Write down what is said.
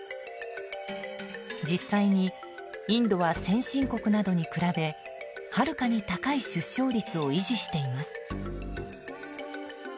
実際にインドは先進国などに比べはるかに高い出生率を維持しています。